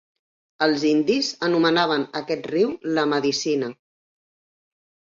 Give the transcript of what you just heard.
Els indis anomenaven aquest riu "La medicina".